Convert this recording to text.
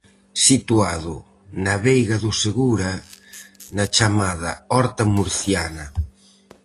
Situado na veiga do Segura, na chamada Horta murciana.